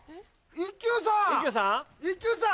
一休さん！